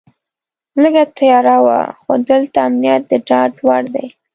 لږه تیاره وه خو دلته امنیت د ډاډ وړ دی.